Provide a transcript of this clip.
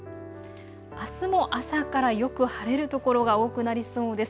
あすも朝からよく晴れる所が多くなりそうです。